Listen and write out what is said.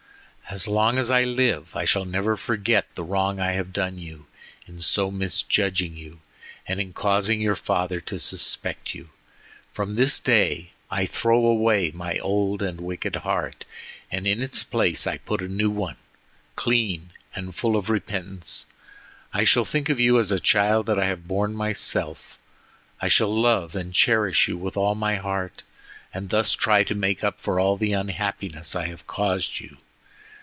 As long as I live I shall never forget the wrong I have done you in so misjudging you, and in causing your father to suspect you. From this day I throw away my old and wicked heart, and in its place I put a new one, clean and full of repentance. I shall think of you as a child that I have borne myself. I shall love and cherish you with all my heart, and thus try to make up for all the unhappiness I have caused you.